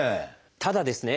ただですね